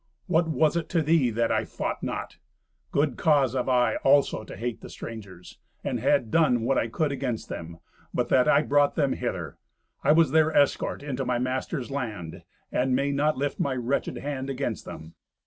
What was it to thee that I fought not? Good cause have I also to hate the strangers, and had done what I could against them, but that I brought them hither. I was their escort into my master's land, and may not lift my wretched hand against them."